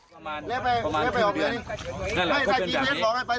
ประมาณครึ่งเดือนนี้นั่นแหละก็เป็นแบบนี้เรียบร้อยออกไว้ไป